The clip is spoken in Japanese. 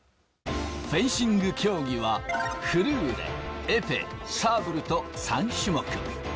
フェンシング競技はフルーレエペサーブルと３種目。